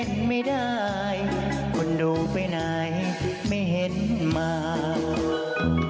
ก่อนที่จะก่อเหตุนี้นะฮะไปดูนะฮะสิ่งที่เขาได้ทิ้งเอาไว้นะครับ